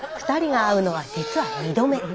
２人が会うのは実は２度目。